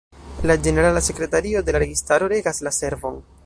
La ĝenerala sekretario de la registaro regas la servon.